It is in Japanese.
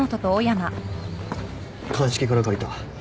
鑑識から借りた。